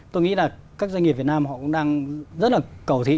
tôi nghĩ là các doanh nghiệp việt nam họ cũng đang rất là cầu thị